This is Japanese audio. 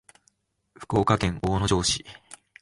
福岡県大野城市